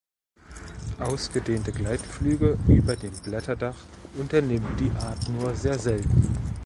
Ausgedehnte Gleitflüge über dem Blätterdach unternimmt die Art nur sehr selten.